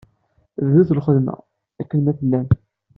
Bdut lxedma, akken ma tellam.